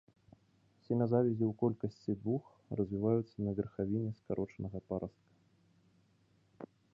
Семязавязі ў колькасці двух развіваюцца на верхавіне скарочанага парастка.